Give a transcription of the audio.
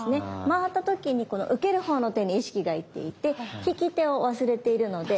回った時にこの受ける方の手に意識がいっていて引き手を忘れているので。